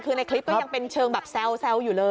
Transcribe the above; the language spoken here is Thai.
คือในคลิปก็ยังเป็นเชิงแบบแซวอยู่เลย